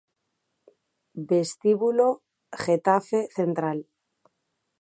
Vestíbulo Getafe Central